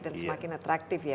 dan semakin atraktif ya